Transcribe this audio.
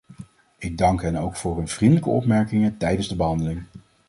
Ik dank hen ook voor hun vriendelijke opmerkingen tijdens de behandeling.